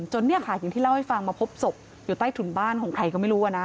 เนี่ยค่ะอย่างที่เล่าให้ฟังมาพบศพอยู่ใต้ถุนบ้านของใครก็ไม่รู้